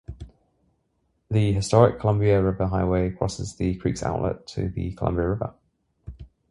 The Historic Columbia River Highway crosses the creek's outlet to the Columbia River.